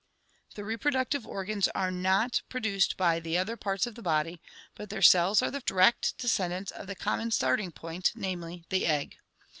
The repro ductive organs are not pro duced by the other parts of the body, but their cells are the direct descendants of the common starting point, namely, the egg.